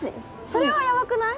それはやばくない？